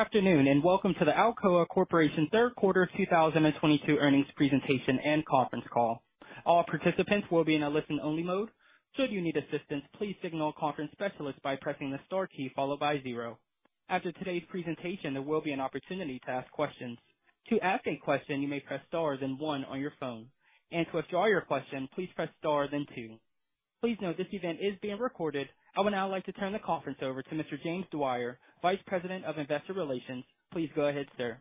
Afternoon, and welcome to the Alcoa Corporation Q3 2022 earnings presentation and conference call. All participants will be in a listen-only mode. Should you need assistance, please signal a conference specialist by pressing the star key followed by zero. After today's presentation, there will be an opportunity to ask questions. To ask a question, you may press star then one on your phone. To withdraw your question, please press star then two. Please note this event is being recorded. I would now like to turn the conference over to Mr. James Dwyer, Vice President of Investor Relations. Please go ahead, sir.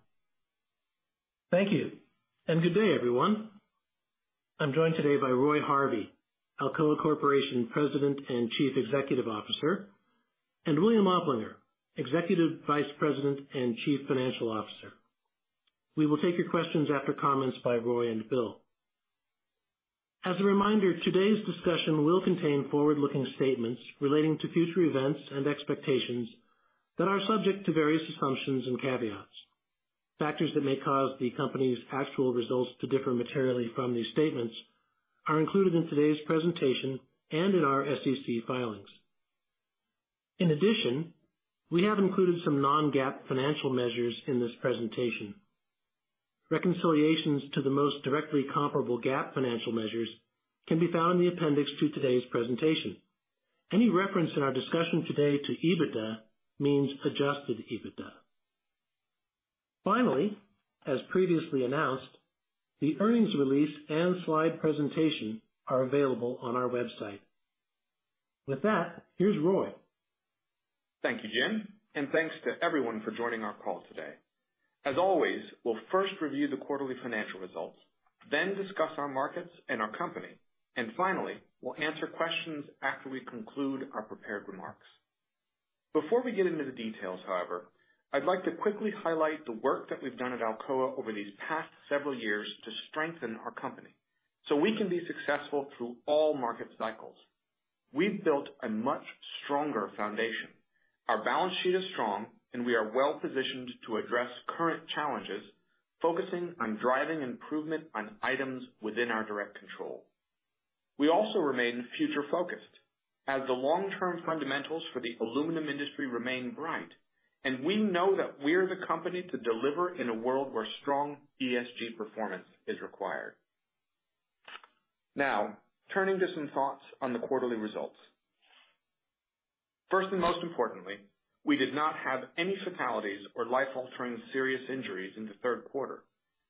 Thank you, and good day, everyone. I'm joined today by Roy Harvey, Alcoa Corporation President and Chief Executive Officer, and William Oplinger, Executive Vice President and Chief Financial Officer. We will take your questions after comments by Roy and Will. As a reminder, today's discussion will contain forward-looking statements relating to future events and expectations that are subject to various assumptions and caveats. Factors that may cause the company's actual results to differ materially from these statements are included in today's presentation and in our SEC filings. In addition, we have included some non-GAAP financial measures in this presentation. Reconciliations to the most directly comparable GAAP financial measures can be found in the appendix to today's presentation. Any reference in our discussion today to EBITDA means adjusted EBITDA. Finally, as previously announced, the earnings release and slide presentation are available on our website. With that, here's Roy. Thank you, James, and thanks to everyone for joining our call today. As always, we'll first review the quarterly financial results, then discuss our markets and our company, and finally, we'll answer questions after we conclude our prepared remarks. Before we get into the details, however, I'd like to quickly highlight the work that we've done at Alcoa over these past several years to strengthen our company so we can be successful through all market cycles. We've built a much stronger foundation. Our balance sheet is strong, and we are well-positioned to address current challenges, focusing on driving improvement on items within our direct control. We also remain future-focused as the long-term fundamentals for the aluminum industry remain bright, and we know that we're the company to deliver in a world where strong ESG performance is required. Now, turning to some thoughts on the quarterly results. First and most importantly, we did not have any fatalities or life-altering serious injuries in the Q3.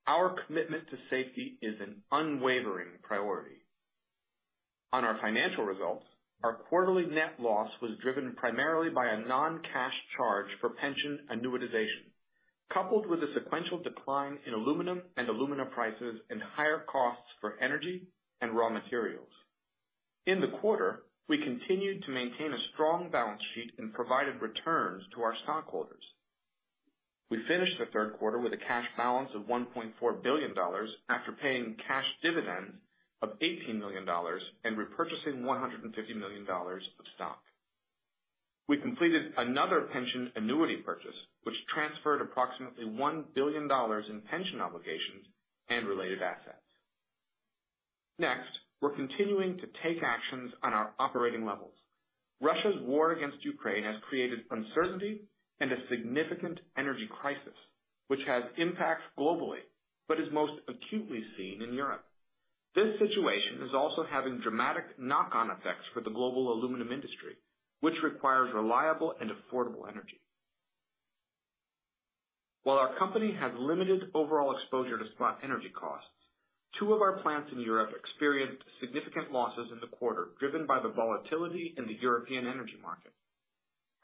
Our commitment to safety is an unwavering priority. On our financial results, our quarterly net loss was driven primarily by a non-cash charge for pension annuitization, coupled with a sequential decline in aluminum and alumina prices and higher costs for energy and raw materials. In the quarter, we continued to maintain a strong balance sheet and provided returns to our stockholders. We finished the Q3 with a cash balance of $1.4 billion after paying cash dividends of $18 million and repurchasing $150 million of stock. We completed another pension annuity purchase, which transferred approximately $1 billion in pension obligations and related assets. Next, we're continuing to take actions on our operating levels. Russia's war against Ukraine has created uncertainty and a significant energy crisis, which has impacts globally, but is most acutely seen in Europe. This situation is also having dramatic knock-on effects for the global aluminum industry, which requires reliable and affordable energy. While our company has limited overall exposure to spot energy costs, two of our plants in Europe experienced significant losses in the quarter, driven by the volatility in the European energy market.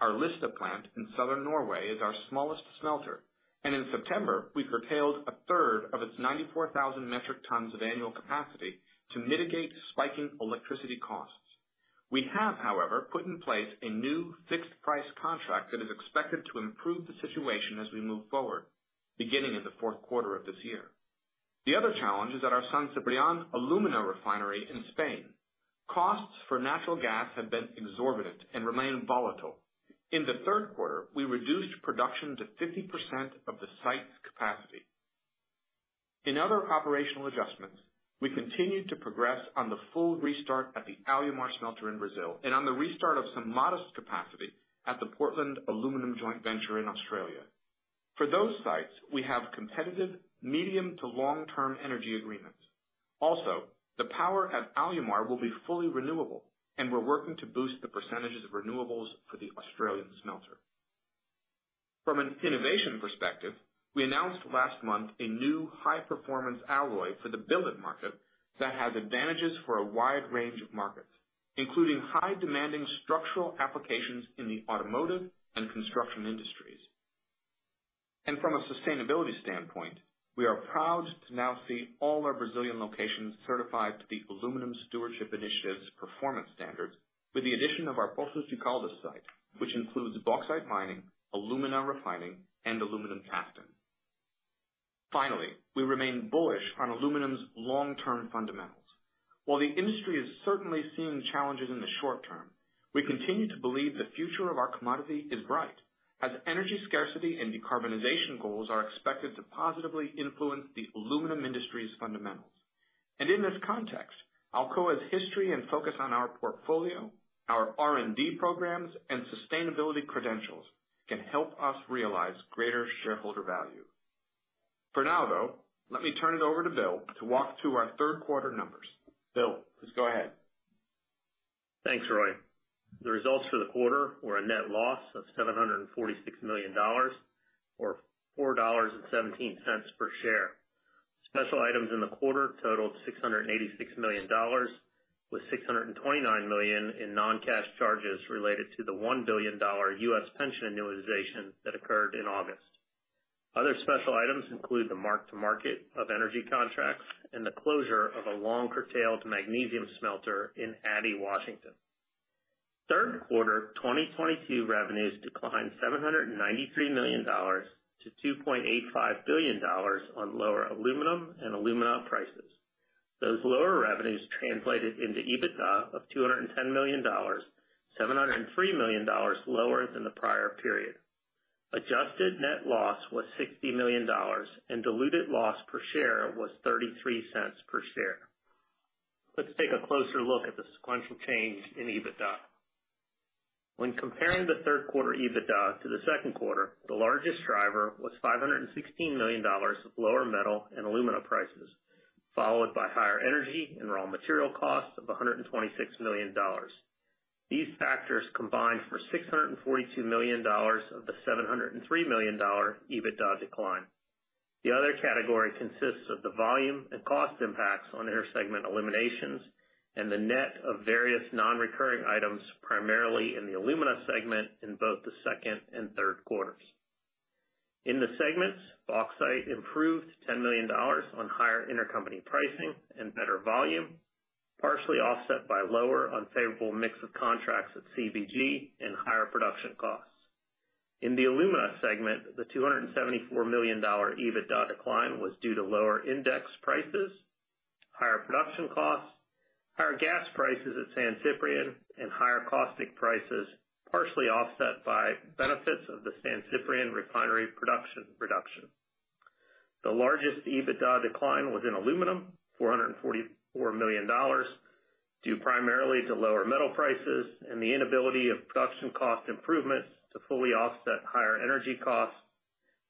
Our Lista plant in southern Norway is our smallest smelter, and in September, we curtailed a third of its 94,000 metric tons of annual capacity to mitigate spiking electricity costs. We have, however, put in place a new fixed price contract that is expected to improve the situation as we move forward, beginning in the Q4 of this year. The other challenge is at our San Ciprián alumina refinery in Spain. Costs for natural gas have been exorbitant and remain volatile. In the Q3, we reduced production to 50% of the site's capacity. In other operational adjustments, we continued to progress on the full restart at the Alumar smelter in Brazil and on the restart of some modest capacity at the Portland Aluminium Joint Venture in Australia. For those sites, we have competitive medium to long-term energy agreements. Also, the power at Alumar will be fully renewable, and we're working to boost the percentages of renewables for the Australian smelter. From an innovation perspective, we announced last month a new high-performance alloy for the billet market that has advantages for a wide range of markets, including high-demanding structural applications in the automotive and construction industries. From a sustainability standpoint, we are proud to now see all our Brazilian locations certified to the Aluminium Stewardship Initiative's performance standards with the addition of our Poços de Caldas site, which includes bauxite mining, alumina refining, and aluminum casting. Finally, we remain bullish on aluminum's long-term fundamentals. While the industry is certainly seeing challenges in the short term, we continue to believe the future of our commodity is bright, as energy scarcity and decarbonization goals are expected to positively influence the aluminum industry's fundamentals. In this context, Alcoa's history and focus on our portfolio, our R&D programs, and sustainability credentials can help us realize greater shareholder value. For now, though, let me turn it over to Bill to walk through our Q3 numbers. Bill, please go ahead. Thanks, Roy. The results for the quarter were a net loss of $746 million or $4.17 per share. Special items in the quarter totaled $686 million, with $629 million in non-cash charges related to the $1 billion U.S. pension annuitization that occurred in August. Other special items include the mark-to-market of energy contracts and the closure of a long-curtailed magnesium smelter in Addy, Washington. Q3 2022 revenues declined $793 million to $2.85 billion on lower aluminum and alumina prices. Those lower revenues translated into EBITDA of $210 million, $703 million lower than the prior period. Adjusted net loss was $60 million, and diluted loss per share was $0.33 per share. Let's take a closer look at the sequential change in EBITDA. When comparing the Q3 EBITDA to the Q2, the largest driver was $516 million of lower metal and alumina prices, followed by higher energy and raw material costs of $126 million. These factors combined for $642 million of the $703 million EBITDA decline. The other category consists of the volume and cost impacts on intersegment eliminations and the net of various non-recurring items, primarily in the Alumina segment in both the Q2 and Q3s. In the segments, Bauxite improved $10 million on higher intercompany pricing and better volume, partially offset by lower unfavorable mix of contracts at CVRD and higher production costs. In the Alumina segment, the $274 million EBITDA decline was due to lower index prices, higher production costs, higher gas prices at San Ciprián, and higher caustic prices, partially offset by benefits of the San Ciprián refinery production reduction. The largest EBITDA decline was in Aluminum, $444 million, due primarily to lower metal prices and the inability of production cost improvements to fully offset higher energy costs,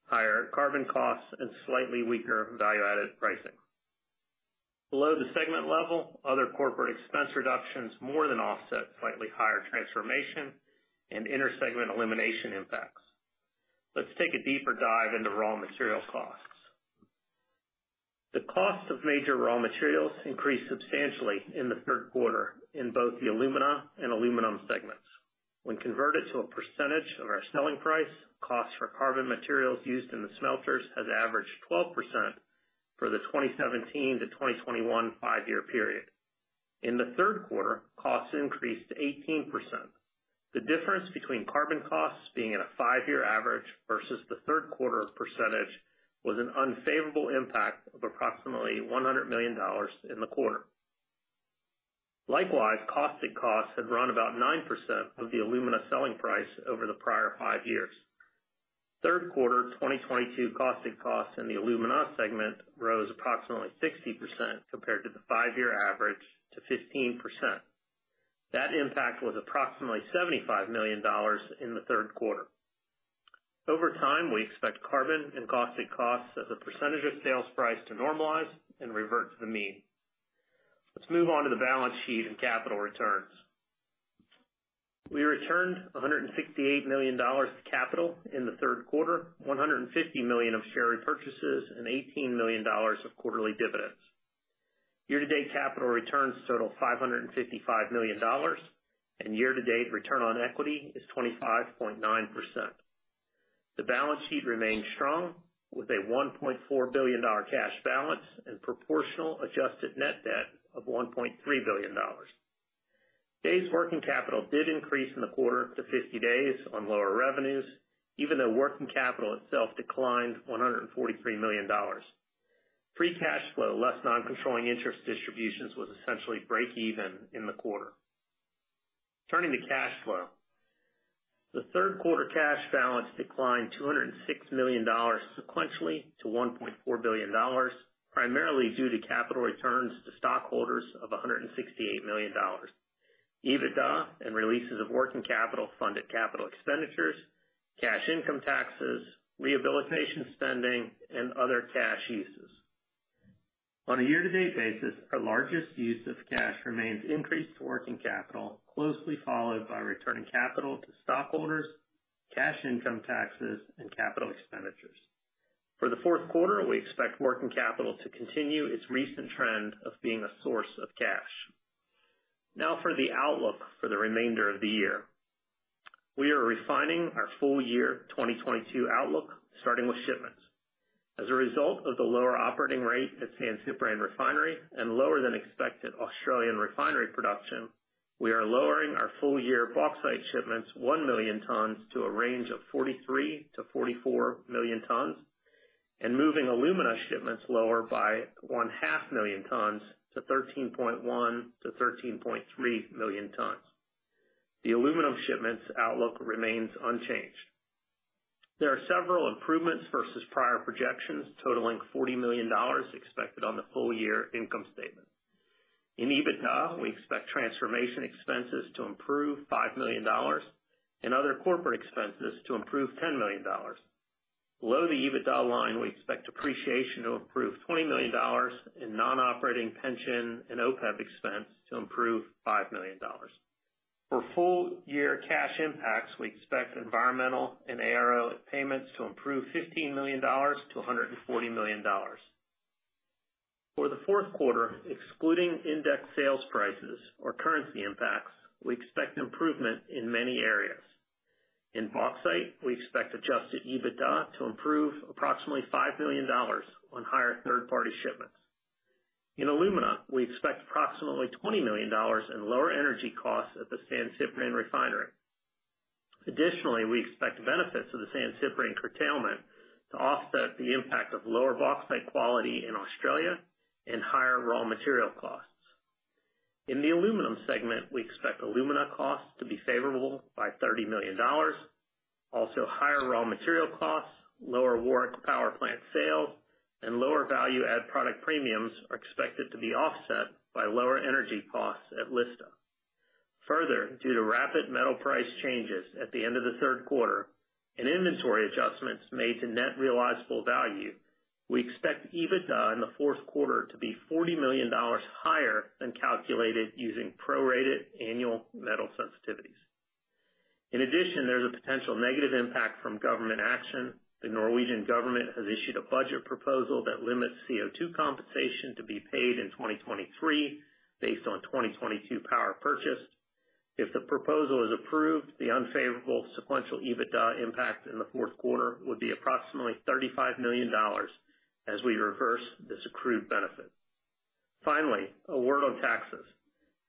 higher carbon costs, and slightly weaker value-added pricing. Below the segment level, other corporate expense reductions more than offset slightly higher transformation and intersegment elimination impacts. Let's take a deeper dive into raw material costs. The cost of major raw materials increased substantially in the Q3 in both the Alumina and Aluminum segments. When converted to a percentage of our selling price, cost for carbon materials used in the smelters has averaged 12% for the 2017 to 2021 five-year period. In the Q3, costs increased to 18%. The difference between carbon costs being at a five-year average versus the Q3 percentage was an unfavorable impact of approximately $100 million in the quarter. Likewise, caustic costs had run about 9% of the alumina selling price over the prior five years. Q3 2022 caustic costs in the Alumina segment rose approximately 60% compared to the five-year average to 15%. That impact was approximately $75 million in the Q3. Over time, we expect carbon and caustic costs as a percentage of sales price to normalize and revert to the mean. Let's move on to the balance sheet and capital returns. We returned $168 million to capital in the Q3, $150 million of share repurchases, and $18 million of quarterly dividends. Year-to-date capital returns total $555 million, and year-to-date return on equity is 25.9%. The balance sheet remains strong with a $1.4 billion cash balance and proportional adjusted net debt of $1.3 billion. Days working capital did increase in the quarter to 50 days on lower revenues, even though working capital itself declined $143 million. Free cash flow, less non-controlling interest distributions, was essentially break even in the quarter. Turning to cash flow. The Q3 cash balance declined $206 million sequentially to $1.4 billion, primarily due to capital returns to stockholders of $168 million. EBITDA and releases of working capital funded capital expenditures, cash income taxes, rehabilitation spending, and other cash uses. On a year-to-date basis, our largest use of cash remains increased working capital, closely followed by returning capital to stockholders, cash income taxes, and capital expenditures. For the Q4, we expect working capital to continue its recent trend of being a source of cash. Now for the outlook for the remainder of the year. We are refining our full year 2022 outlook, starting with shipments. As a result of the lower operating rate at San Ciprián Refinery and lower than expected Australian refinery production, we are lowering our full-year bauxite shipments 1 million tons to a range of 43-44 million tons and moving alumina shipments lower by 500,000 tons to 13.1-13.3 million tons. The aluminum shipments outlook remains unchanged. There are several improvements versus prior projections totaling $40 million expected on the full-year income statement. In EBITDA, we expect transformation expenses to improve $5 million and other corporate expenses to improve $10 million. Below the EBITDA line, we expect depreciation to improve $20 million and non-operating pension and OPEB expense to improve $5 million. For full-year cash impacts, we expect environmental and ARO payments to improve $15 million to $140 million. For the Q4, excluding index sales prices or currency impacts, we expect improvement in many areas. In bauxite, we expect adjusted EBITDA to improve approximately $5 million on higher third-party shipments. In alumina, we expect approximately $20 million in lower energy costs at the San Ciprián Refinery. Additionally, we expect benefits of the San Ciprián curtailment to offset the impact of lower bauxite quality in Australia and higher raw material costs. In the aluminum segment, we expect alumina costs to be favorable by $30 million. Also, higher raw material costs, lower Warrick power plant sales, and lower value-add product premiums are expected to be offset by lower energy costs at Lista. Further, due to rapid metal price changes at the end of the Q3 and inventory adjustments made to net realizable value, we expect EBITDA in the Q4 to be $40 million higher than calculated using prorated annual metal sensitivities. In addition, there's a potential negative impact from government action. The Norwegian government has issued a budget proposal that limits CO2 compensation to be paid in 2023 based on 2022 power purchased. If the proposal is approved, the unfavorable sequential EBITDA impact in the Q4 would be approximately $35 million as we reverse this accrued benefit. Finally, a word on taxes.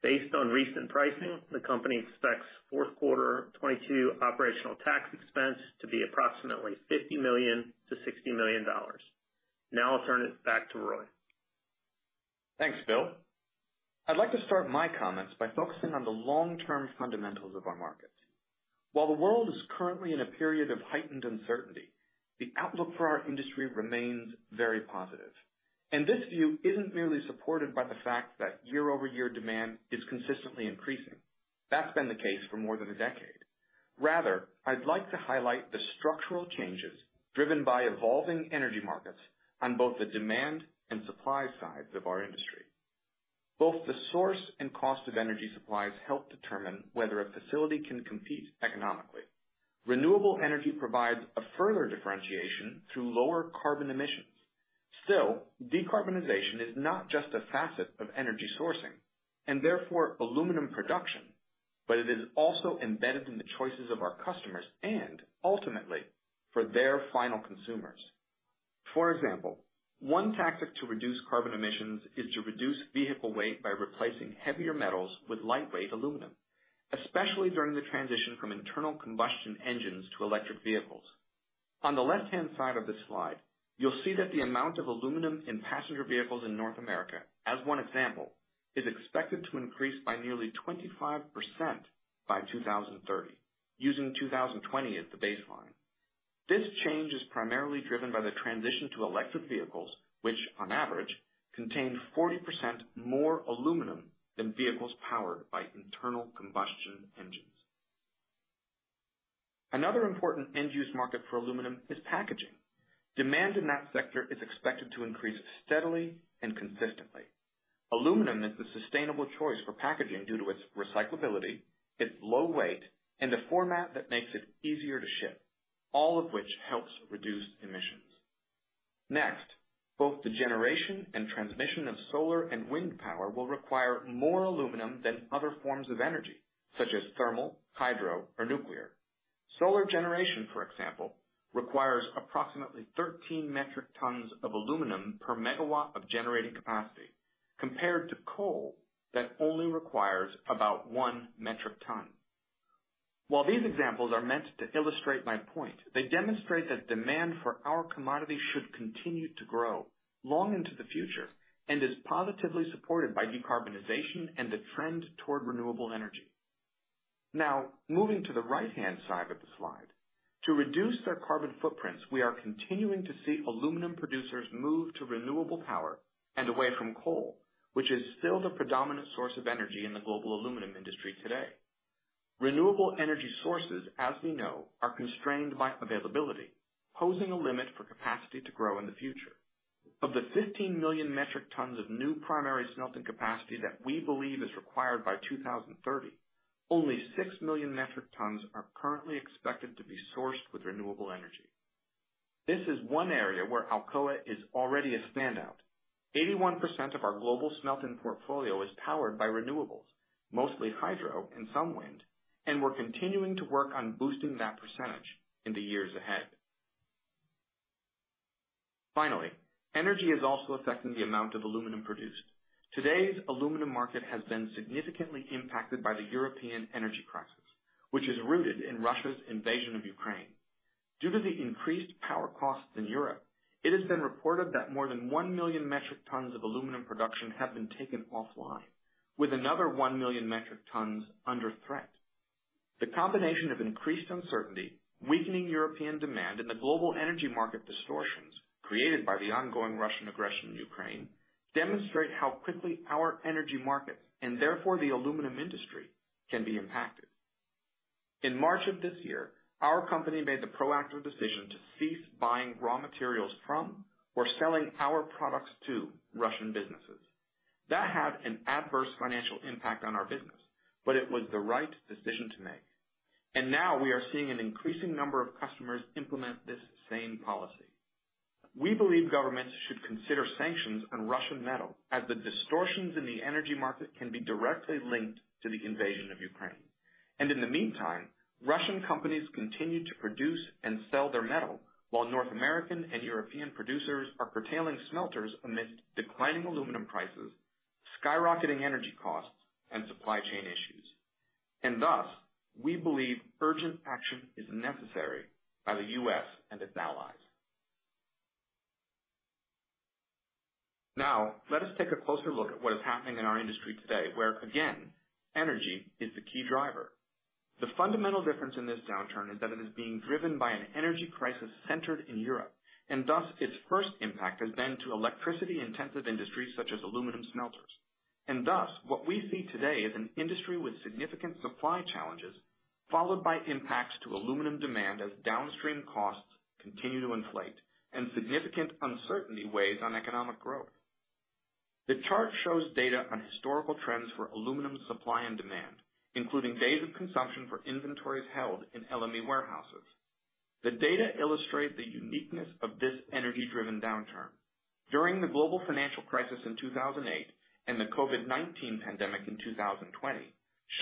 Based on recent pricing, the company expects Q4 2022 operational tax expense to be approximately $50 million to $60 million. Now I'll turn it back to Roy. Thanks, Will. I'd like to start my comments by focusing on the long-term fundamentals of our markets. While the world is currently in a period of heightened uncertainty, the outlook for our industry remains very positive, and this view isn't merely supported by the fact that year-over-year demand is consistently increasing. That's been the case for more than a decade. Rather, I'd like to highlight the structural changes driven by evolving energy markets on both the demand and supply sides of our industry. Both the source and cost of energy supplies help determine whether a facility can compete economically. Renewable energy provides a further differentiation through lower carbon emissions. Still, decarbonization is not just a facet of energy sourcing, and therefore aluminum production, but it is also embedded in the choices of our customers and ultimately for their final consumers. For example, one tactic to reduce carbon emissions is to reduce vehicle weight by replacing heavier metals with lightweight aluminum, especially during the transition from internal combustion engines to electric vehicles. On the left-hand side of this slide, you'll see that the amount of aluminum in passenger vehicles in North America, as one example, is expected to increase by nearly 25% by 2030, using 2020 as the baseline. This change is primarily driven by the transition to electric vehicles, which on average contain 40% more aluminum than vehicles powered by internal combustion engines. Another important end-use market for aluminum is packaging. Demand in that sector is expected to increase steadily and consistently. Aluminum is the sustainable choice for packaging due to its recyclability, its low weight, and a format that makes it easier to ship, all of which helps reduce emissions. Next, both the generation and transmission of solar and wind power will require more aluminum than other forms of energy, such as thermal, hydro, or nuclear. Solar generation, for example, requires approximately 13 metric tons of aluminum per megawatt of generating capacity, compared to coal that only requires about 1 metric ton. While these examples are meant to illustrate my point, they demonstrate that demand for our commodity should continue to grow long into the future and is positively supported by decarbonization and the trend toward renewable energy. Now, moving to the right-hand side of the slide. To reduce their carbon footprints, we are continuing to see aluminum producers move to renewable power and away from coal, which is still the predominant source of energy in the global aluminum industry today. Renewable energy sources, as we know, are constrained by availability, posing a limit for capacity to grow in the future. Of the 15 million metric tons of new primary smelting capacity that we believe is required by 2030, only 6 million metric tons are currently expected to be sourced with renewable energy. This is one area where Alcoa is already a standout. 81% of our global smelting portfolio is powered by renewables, mostly hydro and some wind, and we're continuing to work on boosting that percentage in the years ahead. Finally, energy is also affecting the amount of aluminum produced. Today's aluminum market has been significantly impacted by the European energy crisis, which is rooted in Russia's invasion of Ukraine. Due to the increased power costs in Europe, it has been reported that more than 1 million metric tons of aluminum production have been taken offline. With another 1 million metric tons under threat. The combination of increased uncertainty, weakening European demand and the global energy market distortions created by the ongoing Russian aggression in Ukraine, demonstrate how quickly our energy markets, and therefore the aluminum industry, can be impacted. In March of this year, our company made the proactive decision to cease buying raw materials from or selling our products to Russian businesses. That had an adverse financial impact on our business, but it was the right decision to make. Now we are seeing an increasing number of customers implement this same policy. We believe governments should consider sanctions on Russian metal as the distortions in the energy market can be directly linked to the invasion of Ukraine. In the meantime, Russian companies continue to produce and sell their metal, while North American and European producers are curtailing smelters amidst declining aluminum prices, skyrocketing energy costs and supply chain issues. Thus, we believe urgent action is necessary by the U.S. and its allies. Now, let us take a closer look at what is happening in our industry today, where again, energy is the key driver. The fundamental difference in this downturn is that it is being driven by an energy crisis centered in Europe, and thus its first impact has been to electricity-intensive industries such as aluminum smelters. Thus, what we see today is an industry with significant supply challenges, followed by impacts to aluminum demand as downstream costs continue to inflate and significant uncertainty weighs on economic growth. The chart shows data on historical trends for aluminum supply and demand, including days of consumption for inventories held in LME warehouses. The data illustrate the uniqueness of this energy-driven downturn. During the global financial crisis in 2008 and the COVID-19 pandemic in 2020,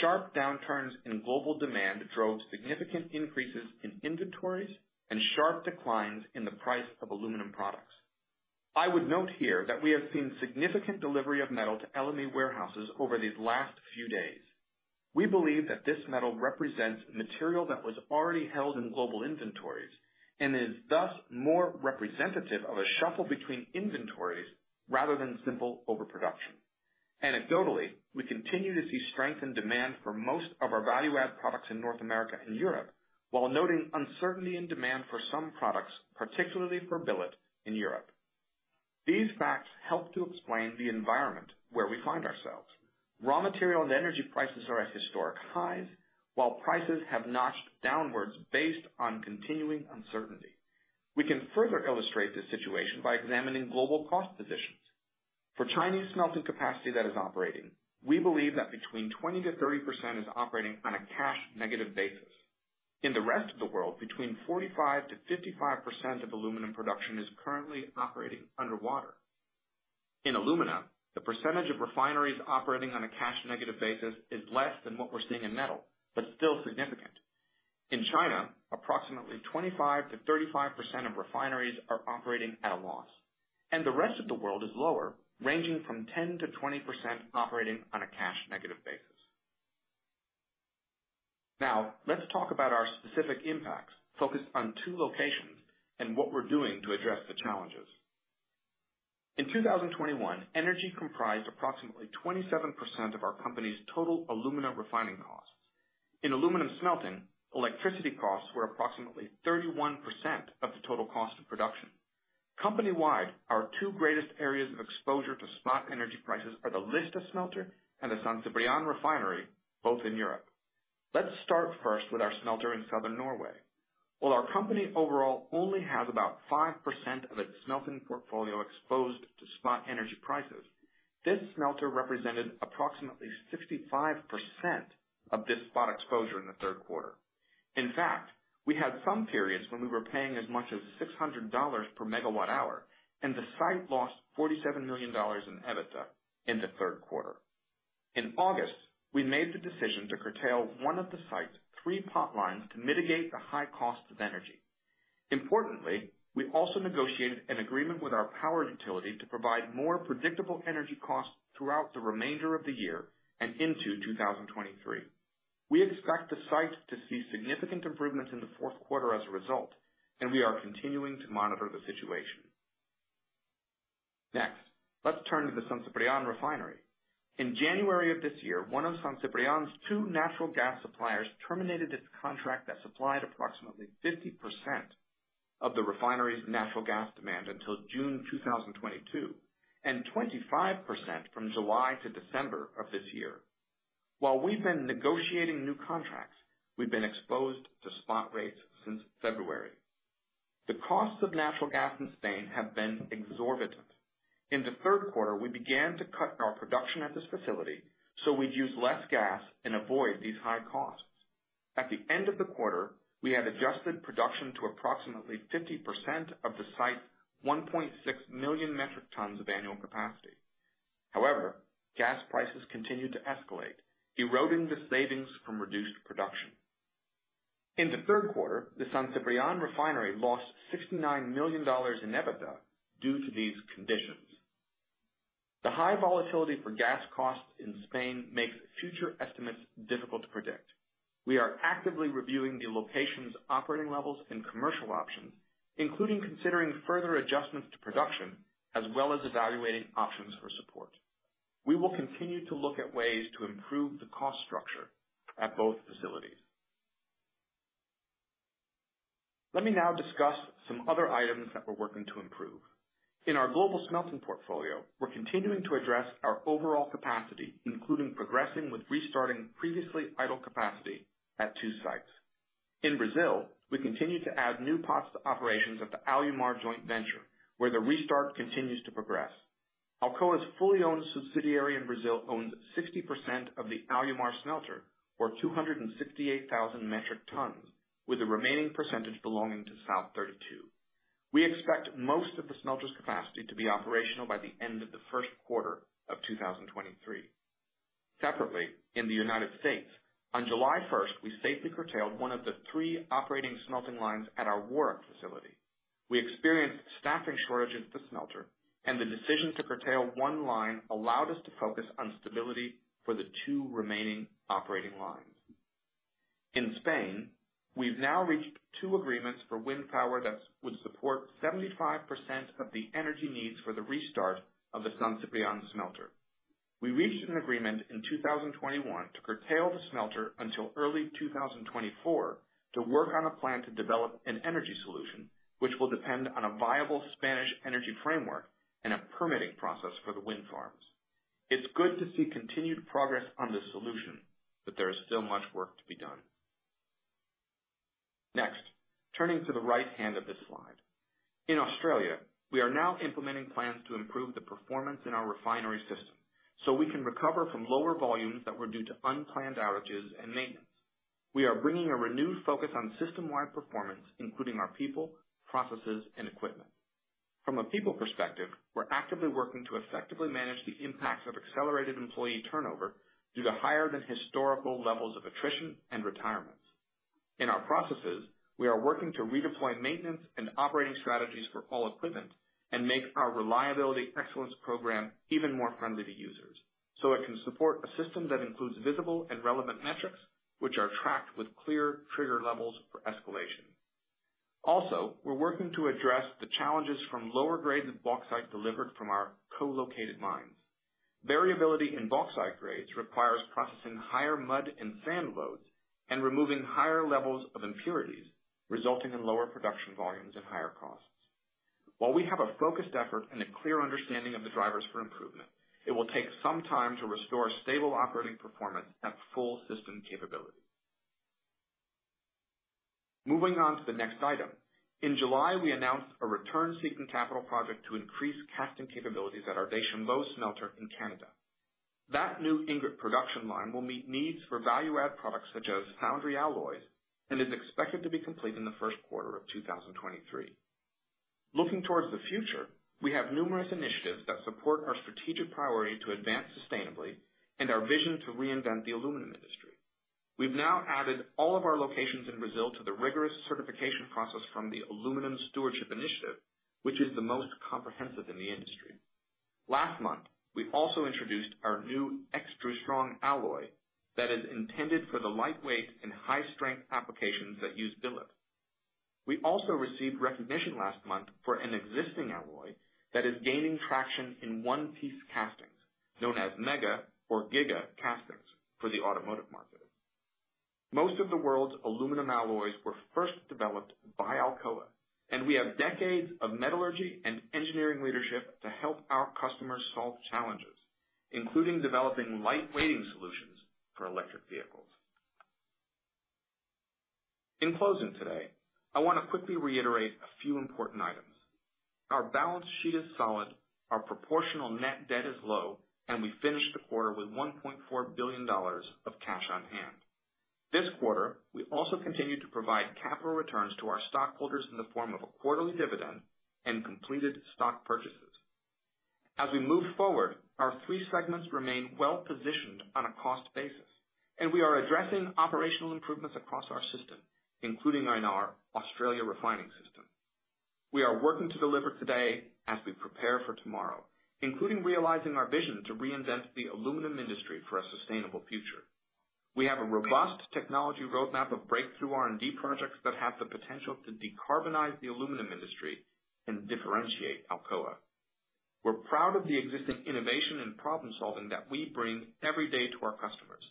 sharp downturns in global demand drove significant increases in inventories and sharp declines in the price of aluminum products. I would note here that we have seen significant delivery of metal to LME warehouses over these last few days. We believe that this metal represents material that was already held in global inventories and is thus more representative of a shuffle between inventories rather than simple overproduction. Anecdotally, we continue to see strength in demand for most of our value-add products in North America and Europe, while noting uncertainty in demand for some products, particularly for billet in Europe. These facts help to explain the environment where we find ourselves. Raw material and energy prices are at historic highs, while prices have notched downwards based on continuing uncertainty. We can further illustrate this situation by examining global cost positions. For Chinese smelting capacity that is operating, we believe that between 20%-30% is operating on a cash negative basis. In the rest of the world, between 45%-55% of aluminum production is currently operating underwater. In alumina, the percentage of refineries operating on a cash negative basis is less than what we're seeing in metal, but still significant. In China, approximately 25%-35% of refineries are operating at a loss, and the rest of the world is lower, ranging from 10%-20% operating on a cash negative basis. Now, let's talk about our specific impacts focused on two locations and what we're doing to address the challenges. In 2021, energy comprised approximately 27% of our company's total alumina refining costs. In aluminum smelting, electricity costs were approximately 31% of the total cost of production. Company-wide, our two greatest areas of exposure to spot energy prices are the Lista Smelter and the San Ciprián Refinery, both in Europe. Let's start first with our smelter in southern Norway. While our company overall only has about 5% of its smelting portfolio exposed to spot energy prices, this smelter represented approximately 65% of this spot exposure in the Q3. In fact, we had some periods when we were paying as much as $600 per MWh, and the site lost $47 million in EBITDA in the Q3. In August, we made the decision to curtail one of the site's three pot lines to mitigate the high cost of energy. Importantly, we also negotiated an agreement with our power utility to provide more predictable energy costs throughout the remainder of the year and into 2023. We expect the site to see significant improvements in the Q4 as a result, and we are continuing to monitor the situation. Next, let's turn to the San Ciprián Refinery. In January of this year, one of San Ciprián's two natural gas suppliers terminated its contract that supplied approximately 50% of the refinery's natural gas demand until June 2022, and 25% from July to December of this year. While we've been negotiating new contracts, we've been exposed to spot rates since February. The costs of natural gas in Spain have been exorbitant. In the Q3, we began to cut our production at this facility, so we'd use less gas and avoid these high costs. At the end of the quarter, we had adjusted production to approximately 50% of the site's 1.6 million metric tons of annual capacity. However, gas prices continued to escalate, eroding the savings from reduced production. In the Q3, the San Ciprián Refinery lost $69 million in EBITDA due to these conditions. The high volatility for gas costs in Spain makes future estimates difficult to predict. We are actively reviewing the location's operating levels and commercial options, including considering further adjustments to production, as well as evaluating options for support. We will continue to look at ways to improve the cost structure at both facilities. Let me now discuss some other items that we're working to improve. In our global smelting portfolio, we're continuing to address our overall capacity, including progressing with restarting previously idle capacity at two sites. In Brazil, we continue to add new pots to operations at the Alumar joint venture, where the restart continues to progress. Alcoa's fully-owned subsidiary in Brazil owns 60% of the Alumar smelter, or 268,000 metric tons, with the remaining percentage belonging to South32. We expect most of the smelter's capacity to be operational by the end of the Q1 of 2023. Separately, in the United States, on July 1st, we safely curtailed one of the three operating smelting lines at our Warrick facility. We experienced staffing shortages at the smelter, and the decision to curtail one line allowed us to focus on stability for the two remaining operating lines. In Spain, we've now reached two agreements for wind power that would support 75% of the energy needs for the restart of the San Ciprián smelter. We reached an agreement in 2021 to curtail the smelter until early 2024 to work on a plan to develop an energy solution, which will depend on a viable Spanish energy framework and a permitting process for the wind farms. It's good to see continued progress on this solution, but there is still much work to be done. Next, turning to the right hand of this slide. In Australia, we are now implementing plans to improve the performance in our refinery system, so we can recover from lower volumes that were due to unplanned outages and maintenance. We are bringing a renewed focus on system-wide performance, including our people, processes, and equipment. From a people perspective, we're actively working to effectively manage the impacts of accelerated employee turnover due to higher than historical levels of attrition and retirements. In our processes, we are working to redeploy maintenance and operating strategies for all equipment and make our reliability excellence program even more friendly to users, so it can support a system that includes visible and relevant metrics, which are tracked with clear trigger levels for escalation. Also, we're working to address the challenges from lower grades of bauxite delivered from our co-located mines. Variability in bauxite grades requires processing higher mud and sand loads and removing higher levels of impurities, resulting in lower production volumes and higher costs. While we have a focused effort and a clear understanding of the drivers for improvement, it will take some time to restore stable operating performance at full system capability. Moving on to the next item. In July, we announced a return-seeking capital project to increase casting capabilities at our Deschambault smelter in Canada. That new ingot production line will meet needs for value-add products such as foundry alloys and is expected to be complete in the Q1 of 2023. Looking towards the future, we have numerous initiatives that support our strategic priority to advance sustainably and our vision to reinvent the aluminum industry. We've now added all of our locations in Brazil to the rigorous certification process from the Aluminium Stewardship Initiative, which is the most comprehensive in the industry. Last month, we also introduced our new extra strong alloy that is intended for the lightweight and high-strength applications that use billet. We also received recognition last month for an existing alloy that is gaining traction in one-piece castings, known as mega or giga castings for the automotive market. Most of the world's aluminum alloys were first developed by Alcoa, and we have decades of metallurgy and engineering leadership to help our customers solve challenges, including developing lightweighting solutions for electric vehicles. In closing today, I wanna quickly reiterate a few important items. Our balance sheet is solid, our proportional net debt is low, and we finished the quarter with $1.4 billion of cash on hand. This quarter, we also continued to provide capital returns to our stockholders in the form of a quarterly dividend and completed stock purchases. As we move forward, our three segments remain well-positioned on a cost basis, and we are addressing operational improvements across our system, including in our Australia refining system. We are working to deliver today as we prepare for tomorrow, including realizing our vision to reinvent the aluminum industry for a sustainable future. We have a robust technology roadmap of breakthrough R&D projects that have the potential to decarbonize the aluminum industry and differentiate Alcoa. We're proud of the existing innovation and problem-solving that we bring every day to our customers,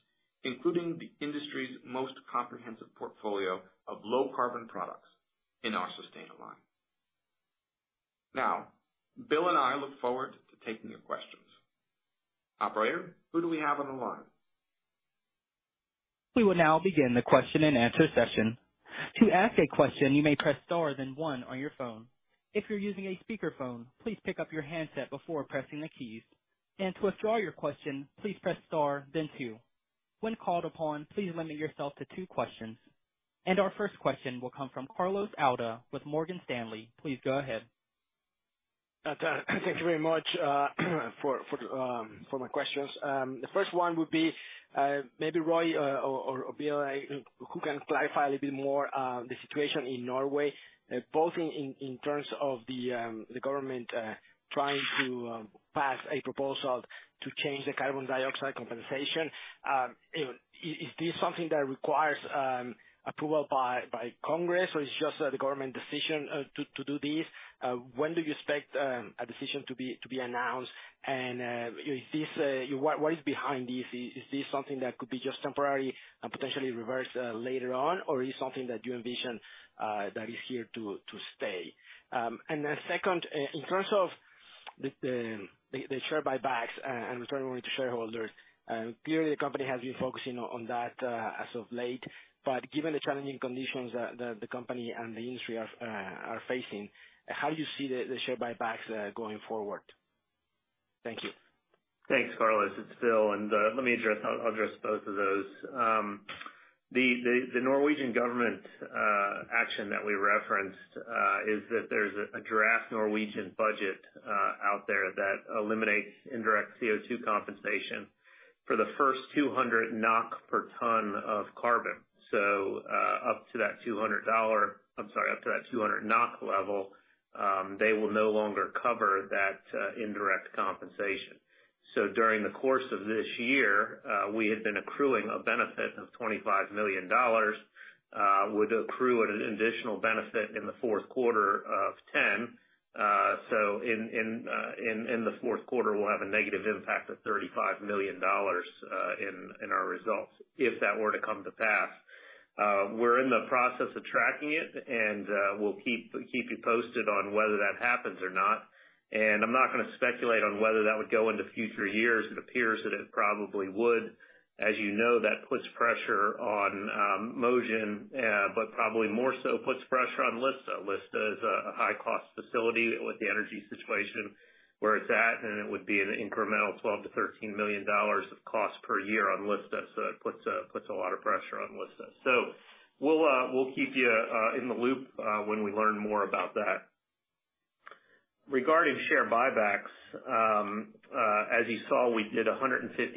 including the industry's most comprehensive portfolio of low-carbon products in our sustainable line. Now, Bill and I look forward to taking your questions. Operator, who do we have on the line? We will now begin the question-and-answer session. To ask a question, you may press star then one on your phone. If you're using a speakerphone, please pick up your handset before pressing the keys. To withdraw your question, please press star then two. When called upon, please limit yourself to two questions. Our first question will come from Carlos de Alba with Morgan Stanley. Please go ahead. Thank you very much for my questions. The first one would be maybe Roy or Bill who can clarify a little bit more the situation in Norway both in terms of the government trying to pass a proposal to change the carbon dioxide compensation. Is this something that requires approval by Congress, or it's just the government decision to do this? When do you expect a decision to be announced? What is behind this? Is this something that could be just temporary and potentially reversed later on? Or is it something that you envision that is here to stay? Second, in terms of the share buybacks and returning money to shareholders, clearly the company has been focusing on that as of late. Given the challenging conditions that the company and the industry are facing, how do you see the share buybacks going forward? Thank you. Thanks, Carlos. It's Bill, and I'll address both of those. The Norwegian government action that we referenced is that there's a draft Norwegian budget out there that eliminates indirect CO2 compensation for the first 200 NOK per ton of carbon. So up to that 200 dollar... I'm sorry, up to that 200 NOK level, they will no longer cover that indirect compensation. So during the course of this year, we had been accruing a benefit of $25 million, would accrue an additional benefit in the Q4 of 10. So in the Q4, we'll have a negative impact of $35 million in our results if that were to come to pass. We're in the process of tracking it, and we'll keep you posted on whether that happens or not. I'm not gonna speculate on whether that would go into future years. It appears that it probably would. As you know, that puts pressure on Mosjøen but probably more so puts pressure on Lista. Lista is a high-cost facility with the energy situation where it's at, and it would be an incremental $12-13 million of cost per year on Lista, so it puts a lot of pressure on Lista. We'll keep you in the loop when we learn more about that. Regarding share buybacks, as you saw, we did $150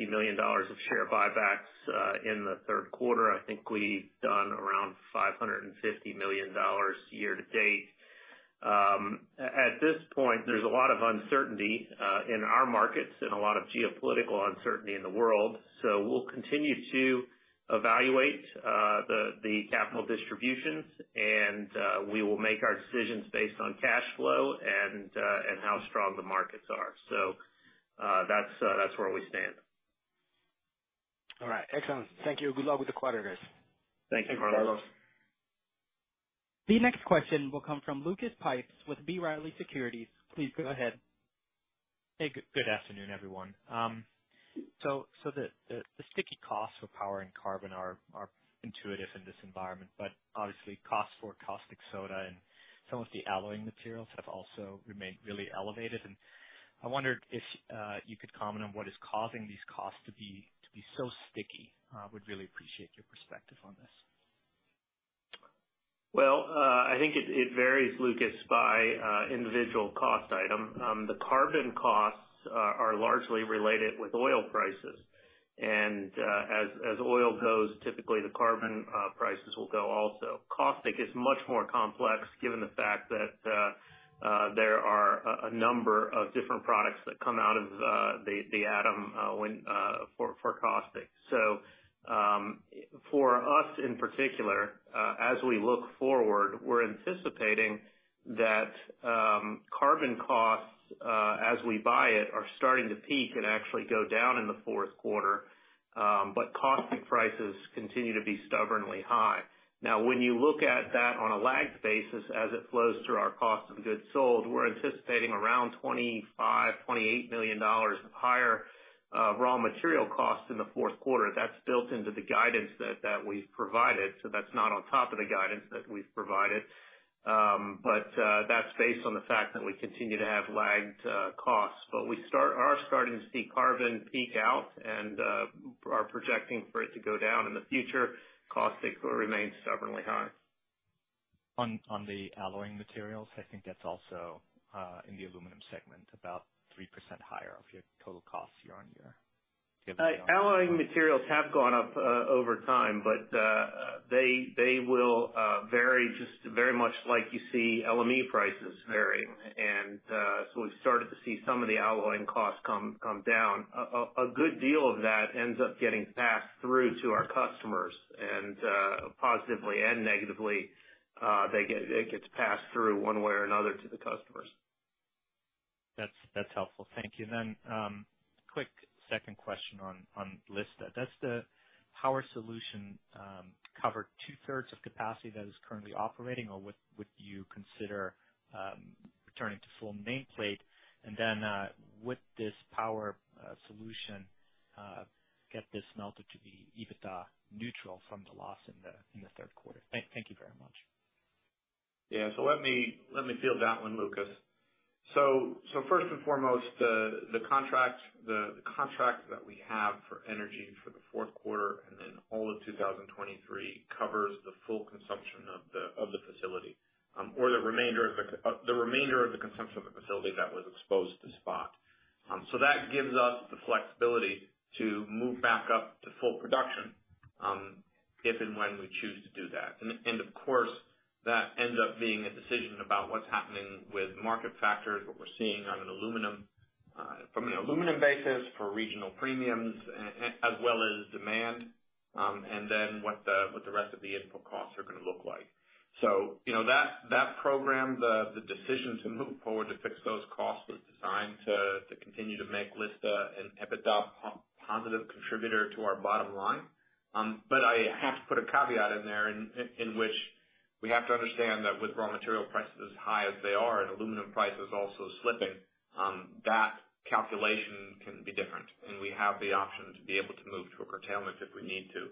million of share buybacks in the Q3. I think we've done around $550 million year to date. At this point, there's a lot of uncertainty in our markets and a lot of geopolitical uncertainty in the world. We'll continue to evaluate the capital distributions and we will make our decisions based on cash flow and how strong the markets are. That's where we stand. All right. Excellent. Thank you. Good luck with the quarter, guys. Thank you, Carlos. The next question will come from Lucas Pipes with B. Riley Securities. Please go ahead. Hey, good afternoon, everyone. So the sticky costs for power and carbon are intuitive in this environment, but obviously costs for caustic soda and some of the alloying materials have also remained really elevated. I wondered if you could comment on what is causing these costs to be so sticky. Would really appreciate your perspective on this. Well, I think it varies, Lucas, by individual cost item. The carbon costs are largely related with oil prices. As oil goes, typically the carbon prices will go also. Caustic is much more complex given the fact that there are a number of different products that come out of the anode for caustic. For us in particular, as we look forward, we're anticipating that carbon costs, as we buy it, are starting to peak and actually go down in the Q4. Caustic prices continue to be stubbornly high. Now, when you look at that on a lagged basis as it flows through our cost of goods sold, we're anticipating around $25-28 million of higher raw material costs in the Q4. That's built into the guidance that we've provided, so that's not on top of the guidance that we've provided. That's based on the fact that we continue to have lagged costs. We are starting to see carbon peak out and are projecting for it to go down in the future. Caustic will remain stubbornly high. On the alloying materials, I think that's also in the aluminum segment, about 3% higher of your total costs year-on-year. Alloying materials have gone up over time, but they will vary just very much like you see LME prices vary. We've started to see some of the alloying costs come down. A good deal of that ends up getting passed through to our customers. Positively and negatively, it gets passed through one way or another to the customers. That's helpful. Thank you. Quick second question on Lista. Does the power solution cover two-thirds of capacity that is currently operating? Or would you consider returning to full nameplate? Would this power solution get this smelter to be EBITDA neutral from the loss in the Q3? Thank you very much. Yeah. Let me field that one, Lucas. First and foremost, the contract that we have for energy for the Q4 and then all of 2023 covers the full consumption of the facility or the remainder of the consumption of the facility that was exposed to spot. That gives us the flexibility to move back up to full production, if and when we choose to do that. Of course, that ends up being a decision about what's happening with market factors, what we're seeing on an aluminum from an aluminum basis for regional premiums as well as demand, and then what the rest of the input costs are gonna look like. You know that program, the decision to move forward to fix those costs was designed to continue to make Lista an EBITDA-positive contributor to our bottom line. I have to put a caveat in there in which we have to understand that with raw material prices as high as they are and aluminum prices also slipping, that calculation can be different. We have the option to be able to move to a curtailment if we need to,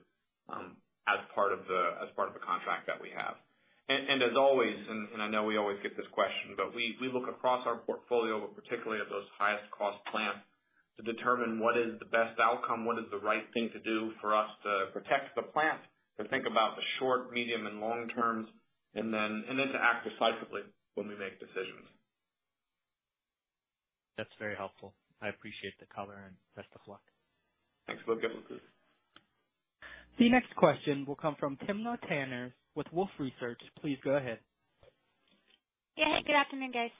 as part of the contract that we have. As always, I know we always get this question, but we look across our portfolio, but particularly at those highest cost plants, to determine what is the best outcome, what is the right thing to do for us to protect the plant, to think about the short, medium, and long terms, and then to act decisively when we make decisions. That's very helpful. I appreciate the color and best of luck. Thanks, Luke. The next question will come from Timna Tanners with Wolfe Research. Please go ahead. Yeah. Hey, good afternoon, guys.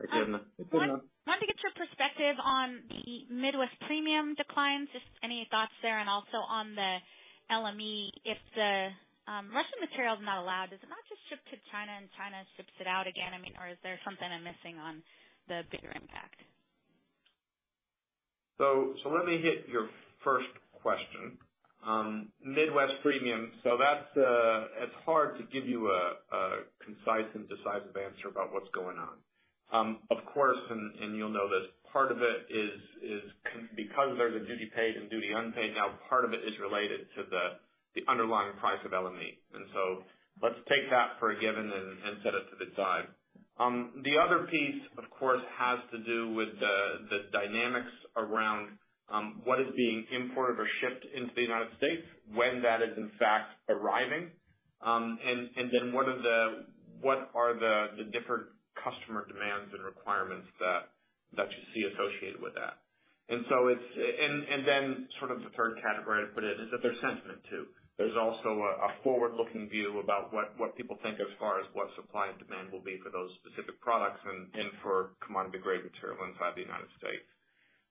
Hi, Timna. Hey, Timna. Wanted to get your perspective on the Midwest premium declines. Just any thoughts there, and also on the LME, if the Russian material is not allowed, is it not just shipped to China and China ships it out again? I mean, or is there something I'm missing on the bigger impact? Let me hit your first question. Midwest premium. That's, it's hard to give you a concise and decisive answer about what's going on. Of course, and you'll know this, part of it is because there's a duty paid and duty unpaid. Now part of it is related to the underlying price of LME. Let's take that for a given and set it to the side. The other piece, of course, has to do with the dynamics around what is being imported or shipped into the United States, when that is in fact arriving. Then what are the different customer demands and requirements that you see associated with that. It's... Then sort of the third category I'd put in is that there's sentiment, too. There's also a forward-looking view about what people think as far as what supply and demand will be for those specific products and for commodity-grade material inside the United States.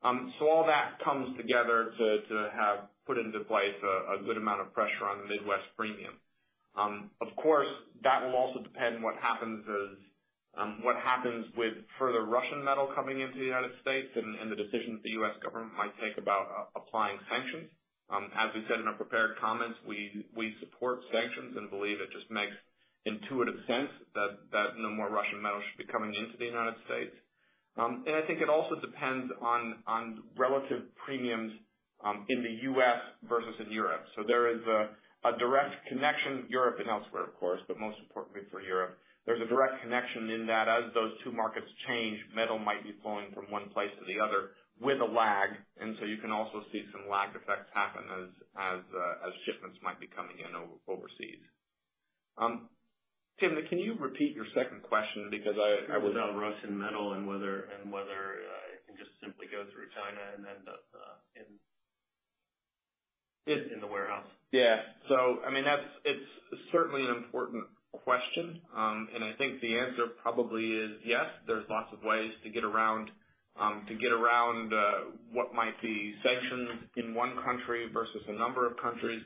All that comes together to have put into place a good amount of pressure on the Midwest premium. Of course, that will also depend on what happens with further Russian metal coming into the United States and the decisions the U.S. government might take about applying sanctions. As we said in our prepared comments, we support sanctions and believe it just makes intuitive sense that no more Russian metal should be coming into the United States. I think it also depends on relative premiums in the US versus in Europe. There is a direct connection, Europe and elsewhere, of course, but most importantly for Europe. There's a direct connection in that as those two markets change, metal might be flowing from one place to the other with a lag, and you can also see some lag effects happen as shipments might be coming in overseas. Timna, can you repeat your second question? Because I- It was on Russian metal and whether it can just simply go through China and end up in the warehouse. Yeah. I mean, that's, it's certainly an important question. I think the answer probably is yes. There's lots of ways to get around what might be sanctions in one country versus a number of countries.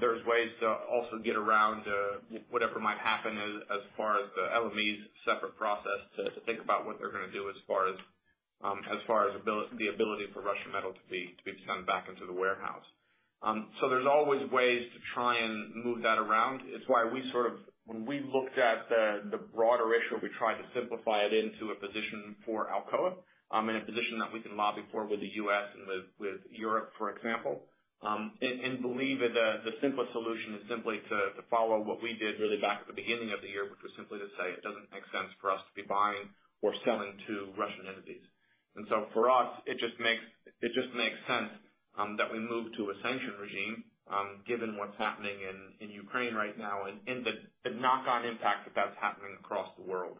There's ways to also get around whatever might happen as far as the LME's separate process to think about what they're gonna do as far as the ability for Russian metal to be sent back into the warehouse. There's always ways to try and move that around. It's why we sort of, when we looked at the broader issue, we tried to simplify it into a position for Alcoa and a position that we can lobby for with the U.S. and with Europe, for example. believe that the simplest solution is simply to follow what we did really back at the beginning of the year, which was simply to say it doesn't make sense for us to be buying or selling to Russian entities. For us, it just makes sense that we move to a sanction regime, given what's happening in Ukraine right now and the knock-on impact that that's having across the world.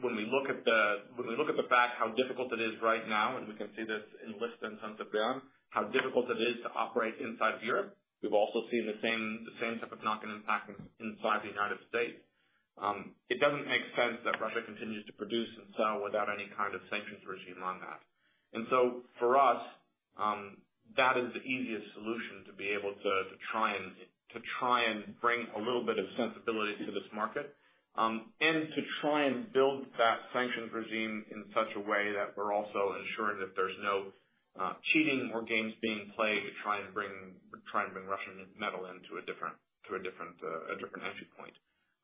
When we look at the fact how difficult it is right now, and we can see this in Lista in terms of volume, how difficult it is to operate inside of Europe, we've also seen the same type of knock-on impact inside the United States. It doesn't make sense that Russia continues to produce and sell without any kind of sanctions regime on that. For us, that is the easiest solution to be able to try and bring a little bit of sensibility to this market, and to try and build that sanctions regime in such a way that we're also ensuring that there's no cheating or games being played to try and bring Russian metal into a different entry point.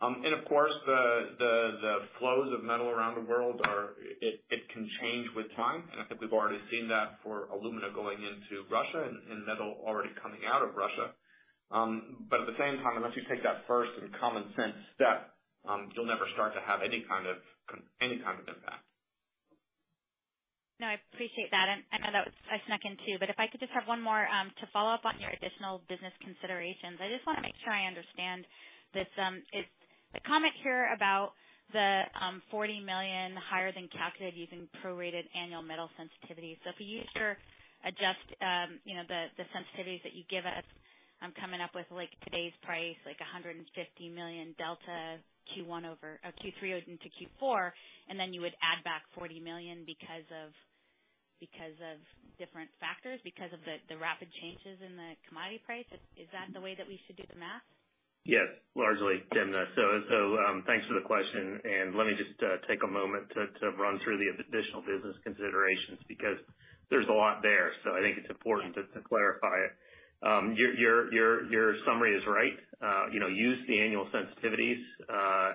Of course the flows of metal around the world are. It can change with time. I think we've already seen that for alumina going into Russia and metal already coming out of Russia. At the same time, unless you take that first and common sense step, you'll never start to have any kind of impact. No, I appreciate that. I know that was. I snuck in two, but if I could just have one more. To follow up on your additional business considerations, I just wanna make sure I understand this. The comment here about the $40 million higher than calculated using prorated annual metal sensitivity. If you were to adjust, you know, the sensitivities that you give us. I'm coming up with like today's price, like a $150 million delta Q1 over Q3 into Q4, and then you would add back $40 million because of different factors, because of the rapid changes in the commodity price. Is that the way that we should do the math? Yes, largely, Timna. Thanks for the question. Let me just take a moment to run through the additional business considerations because there's a lot there. I think it's important to clarify. Your summary is right. You know, use the annual sensitivities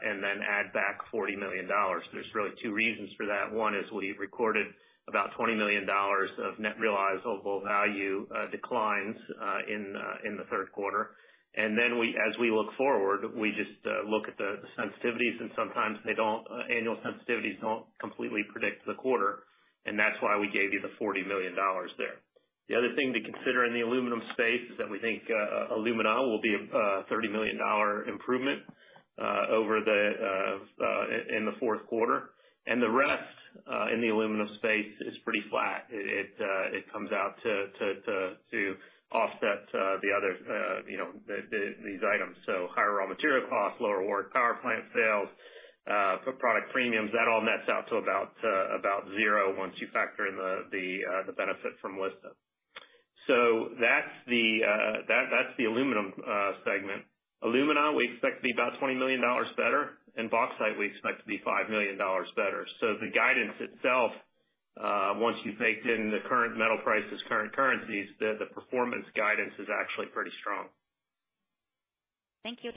and then add back $40 million. There's really two reasons for that. One is we recorded about $20 million of net realizable value declines in the Q3. We, as we look forward, we just look at the sensitivities and sometimes the annual sensitivities don't completely predict the quarter, and that's why we gave you the $40 million there. The other thing to consider in the aluminum space is that we think alumina will be $30 million improvement in the Q4, and the rest in the aluminum space is pretty flat. It comes out to offset the other, you know, these items. Higher raw material costs, lower Warrick power plant sales, product premiums, that all nets out to about zero once you factor in the benefit from Lista. That's the aluminum segment. Alumina, we expect to be about $20 million better, and bauxite we expect to be $5 million better. The guidance itself, once you've baked in the current metal prices, current currencies, the performance guidance is actually pretty strong. Thank you.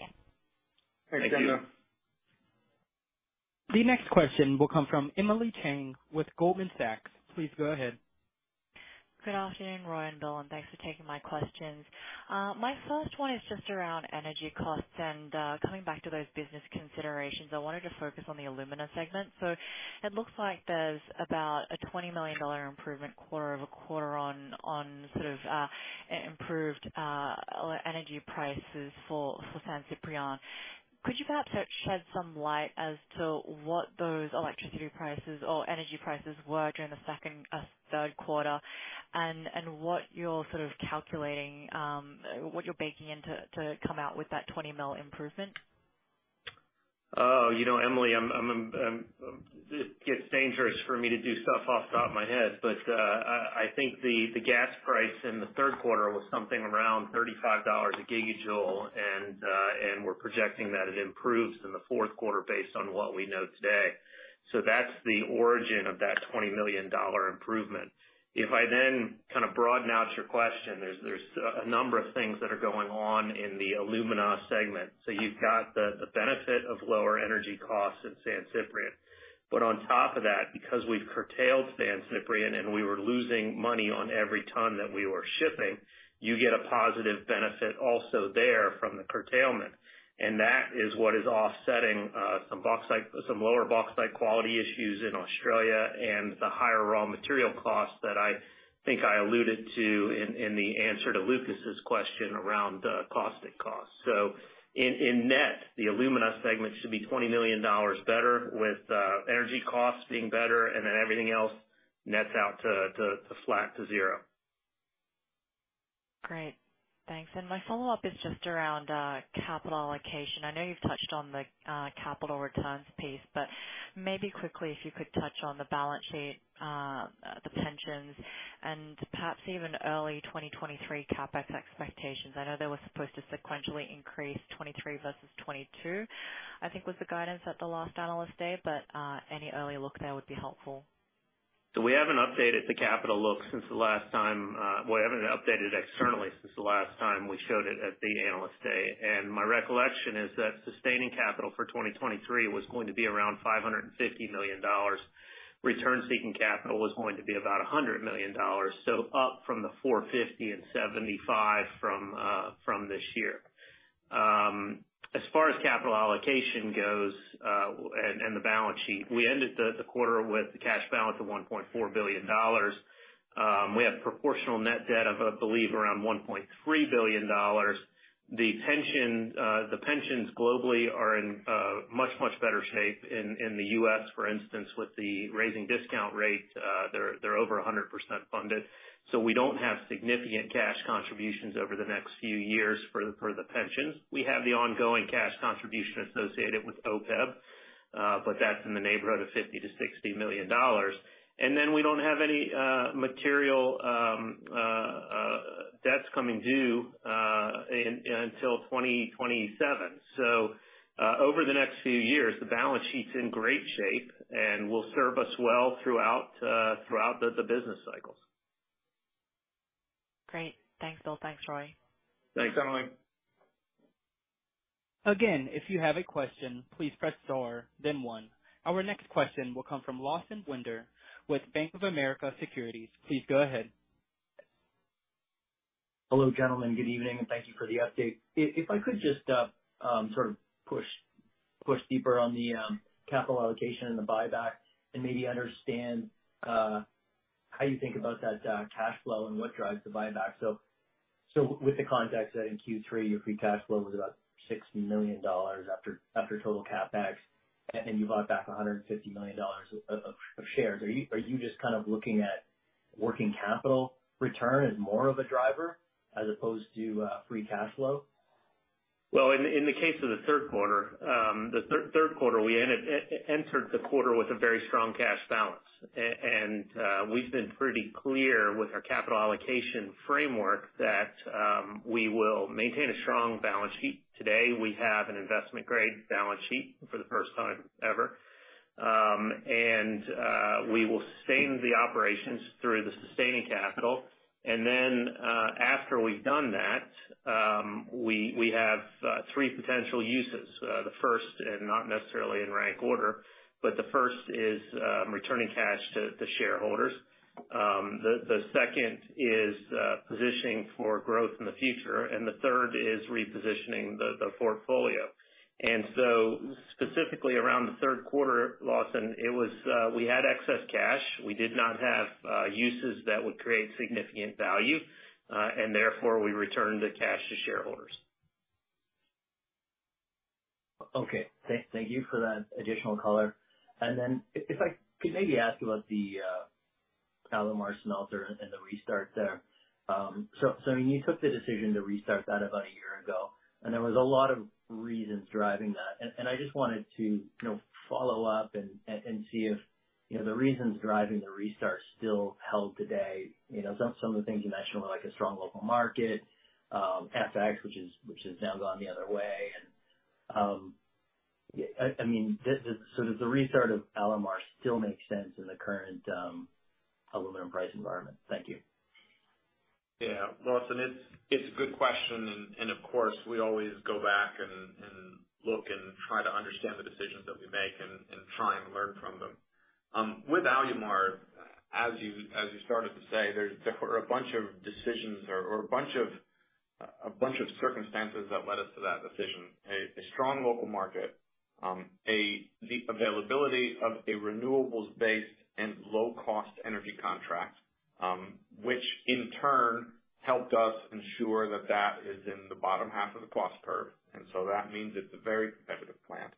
Thank you. The next question will come from Emily Chieng with Goldman Sachs. Please go ahead. Good afternoon, Roy and Bill, and thanks for taking my questions. My first one is just around energy costs and, coming back to those business considerations. I wanted to focus on the alumina segment. It looks like there's about a $20 million improvement quarter-over-quarter on sort of improved energy prices for San Ciprián. Could you perhaps shed some light as to what those electricity prices or energy prices were during the second, Q3 and what you're sort of calculating, what you're baking in to come out with that $20 million improvement? Oh, you know, Emily, it gets dangerous for me to do stuff off the top of my head. I think the gas price in the Q3 was something around $35 a gigajoule. We're projecting that it improves in the Q4 based on what we know today. That's the origin of that $20 million improvement. If I then kind of broaden out your question, there's a number of things that are going on in the alumina segment. You've got the benefit of lower energy costs at San Ciprián. On top of that, because we've curtailed San Ciprián, and we were losing money on every ton that we were shipping, you get a positive benefit also there from the curtailment. That is what is offsetting some bauxite, some lower bauxite quality issues in Australia and the higher raw material costs that I think I alluded to in the answer to Lucas's question around caustic costs. In net, the alumina segment should be $20 million better with energy costs being better, and then everything else nets out to flat to zero. Great. Thanks. My follow-up is just around capital allocation. I know you've touched on the capital returns piece, but maybe quickly, if you could touch on the balance sheet, the pensions, and perhaps even early 2023 CapEx expectations. I know they were supposed to sequentially increase 2023 versus 2022, I think was the guidance at the last Analyst Day, but any early look there would be helpful. We haven't updated the capital outlook since the last time. We haven't updated externally since the last time we showed it at the Analyst Day, and my recollection is that sustaining capital for 2023 was going to be around $550 million. Return seeking capital was going to be about $100 million, so up from the $450 and $75 from this year. As far as capital allocation goes, and the balance sheet, we ended the quarter with the cash balance of $1.4 billion. We have proportional net debt of, I believe, around $1.3 billion. The pensions globally are in much better shape in the U.S., for instance, with the rising discount rates, they're over 100% funded. We don't have significant cash contributions over the next few years for the pensions. We have the ongoing cash contribution associated with OPEB, but that's in the neighborhood of $50-60 million. We don't have any material debts coming due until 2027. Over the next few years, the balance sheet's in great shape and will serve us well throughout the business cycles. Great. Thanks, Will. Thanks, Roy. Thanks, Emily. Again, if you have a question, please press star then one. Our next question will come from Lawson Winder with Bank of America Securities. Please go ahead. Hello, gentlemen. Good evening, and thank you for the update. If I could just sort of push deeper on the capital allocation and the buyback and maybe understand how you think about that cash flow and what drives the buyback. With the context that in Q3 your free cash flow was about $60 million after total CapEx, and you bought back $150 million of shares. Are you just kind of looking at working capital return as more of a driver as opposed to free cash flow? Well, in the case of the Q3, we entered the quarter with a very strong cash balance. We've been pretty clear with our capital allocation framework that we will maintain a strong balance sheet. Today, we have an investment-grade balance sheet for the first time ever. We will sustain the operations through the sustaining capital. Then, after we've done that, we have three potential uses. The first, and not necessarily in rank order, but the first is returning cash to the shareholders. The second is positioning for growth in the future, and the third is repositioning the portfolio. Specifically around the Q3, Lawson, it was we had excess cash. We did not have uses that would create significant value, and therefore, we returned the cash to shareholders. Okay. Thank you for that additional color. If I could maybe ask about the Alumar smelter and the restart there. When you took the decision to restart that about a year ago, and there was a lot of reasons driving that. I just wanted to follow up and see if the reasons driving the restart still held today. You know, some of the things you mentioned were like a strong local market, FX, which has now gone the other way. I mean, so does the restart of Alumar still make sense in the current aluminum price environment? Thank you. Yeah. Lawson, it's a good question. Of course, we always go back and look and try to understand the decisions that we make and try and learn from them. With Alumar, as you started to say, there were a bunch of decisions or a bunch of circumstances that led us to that decision. A strong local market, the availability of a renewables-based and low-cost energy contract, which in turn helped us ensure that it is in the bottom half of the cost curve. That means it's a very competitive plant.